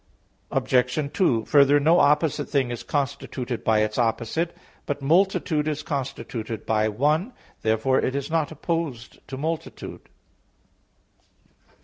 Obj. 2: Further, no opposite thing is constituted by its opposite. But multitude is constituted by one. Therefore it is not opposed to "multitude."